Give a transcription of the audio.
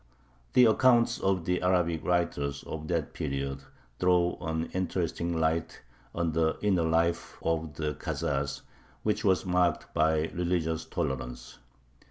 The accounts of the Arabic writers of that period throw an interesting light on the inner life of the Khazars, which was marked by religious tolerance.